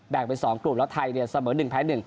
แบกเป็น๒กลุ่มแล้วไทยเนี่ยเสมอ๑แพลต๑